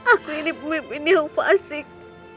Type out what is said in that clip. aku ini pemimpin yang pasik